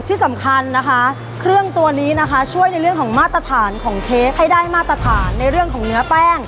ที่สำคัญนะคะเครื่องตัวนี้นะคะช่วยในเรื่องของมาตรฐานของเค้กให้ได้มาตรฐานในเรื่องของเนื้อแป้ง